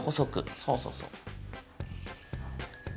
そうそうそう。